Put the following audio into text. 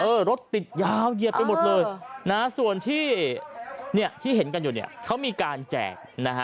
เออรถติดยาวเหยียบไปหมดเลยนะฮะส่วนที่เห็นกันอยู่เนี่ยเขามีการแจกนะฮะ